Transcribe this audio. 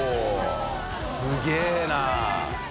すげぇな。